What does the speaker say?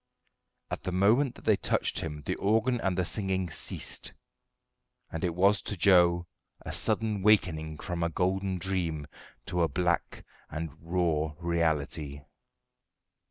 At the moment that they touched him the organ and the singing ceased; and it was to Joe a sudden wakening from a golden dream to a black and raw reality.